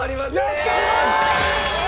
やったー！